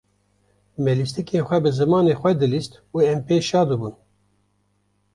Me lîstîkên xwe bi zimanê xwe dilîst û em pê şa dibûn.